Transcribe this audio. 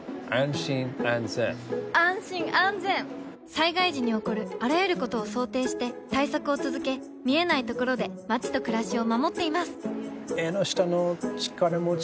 災害時に起こるあらゆることを想定して対策を続け見えないところで街と暮らしを守っていますエンノシタノチカラモチ？